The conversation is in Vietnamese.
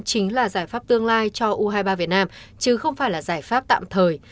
chính là giải pháp tương lai cho u hai mươi ba việt nam chứ không phải là giải pháp tạm thời